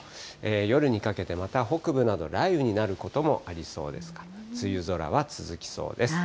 夜にかけて、また北部など雷雨になることもありそうですから、梅雨空は続きそうです。